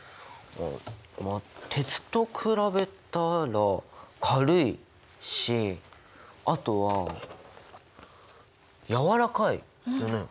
まあ鉄と比べたら軽いしあとはやわらかいよね。